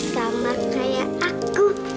sama kayak aku